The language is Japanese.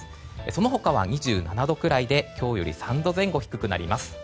その他は２７度くらいで今日より３度前後低くなります。